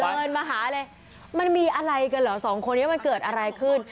เดินมาหาเลยมันมีอะไรกันเหรอสองคนนี้มันเกิดอะไรขึ้น